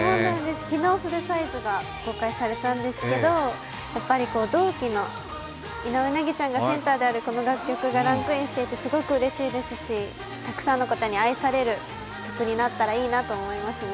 昨日フルサイズが公開されたんですけど同期の井上和ちゃんがセンターであるこの楽曲がランクインしていてすごくうれしいですし、たくさんの方に愛される曲になったらいいなと思いますね。